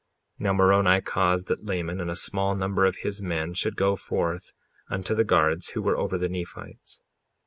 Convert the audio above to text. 55:6 Now Moroni caused that Laman and a small number of his men should go forth unto the guards who were over the Nephites.